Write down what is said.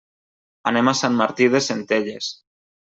Anem a Sant Martí de Centelles.